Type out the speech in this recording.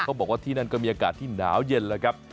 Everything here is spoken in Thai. บอกว่าที่นั่นก็มีอากาศที่หนาวเย็นแล้วครับ